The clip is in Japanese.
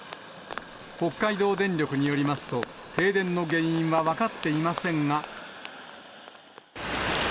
北海道電力によりますと、停電の原因は分かっていませんが。